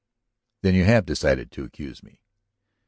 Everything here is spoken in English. "Then you have decided to accuse me?"